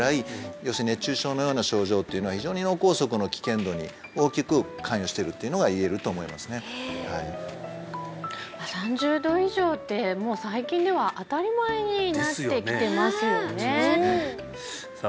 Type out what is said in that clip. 要するに熱中症のような症状っていうのは非常に脳梗塞の危険度に大きく関与してるっていうのがいえると思いますねはい３０度以上ってもう最近では当たり前になってきてますよねですよねさあ